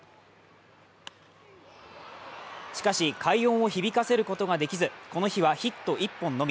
しかし快音を響かせることができずこの日はヒット１本のみ。